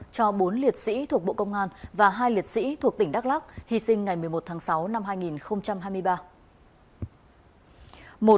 cho bốn liệt sĩ thuộc bộ công an và hai liệt sĩ thuộc tỉnh đắk lắc hy sinh ngày một mươi một tháng sáu năm hai nghìn hai mươi ba